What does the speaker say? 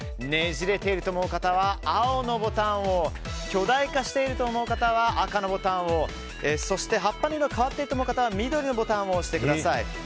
ねじれていると思う方は青のボタンを巨大化していると思う方は赤のボタンを葉っぱの色が変わっていると思う方は緑のボタンを押してください。